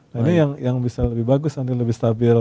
nah ini yang bisa lebih bagus nanti lebih stabil